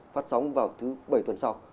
phát sóng vào thứ bảy tuần sau